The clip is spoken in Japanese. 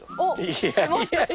いやいやいや。